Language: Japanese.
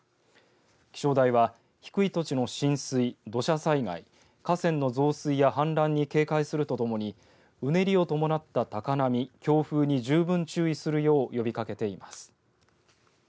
気象台は低い土地の浸水、土砂災害、河川の増水や氾濫に警戒するとともにうねりを伴った高波、強風に十分注意するよう呼びかけています。